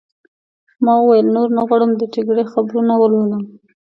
ما وویل: نور نه غواړم د جګړې خبرونه ولولم.